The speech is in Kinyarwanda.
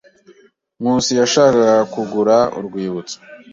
Nkusi yashakaga kugura urwibutso.